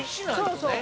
そうそう。